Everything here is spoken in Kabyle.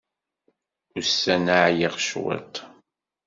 Ussan-a ɛyiɣ cwiṭ.